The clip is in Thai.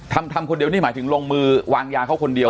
ทำทำคนเดียวนี่หมายถึงลงมือวางยาเขาคนเดียว